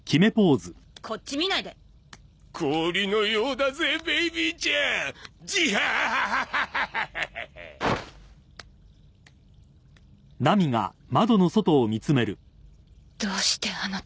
こっち見ないで氷のようだぜベイビーちゃんジハハハハハどうしてあの時